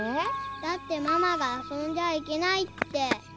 だってママが遊んじゃいけないって。